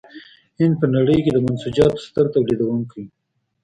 هند په نړۍ کې د منسوجاتو ستر تولیدوونکی و.